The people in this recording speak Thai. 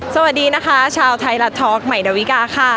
สวัสดีนะคะชาวไทยรัฐทอล์กใหม่ดาวิกาค่ะ